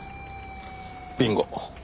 ビンゴ！